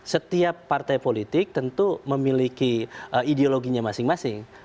setiap partai politik tentu memiliki ideologinya masing masing